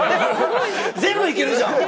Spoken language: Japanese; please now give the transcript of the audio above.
全部行けるじゃん！